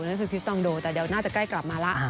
นั่นคือทิสตองโดแต่เดี๋ยวน่าจะใกล้กลับมาละ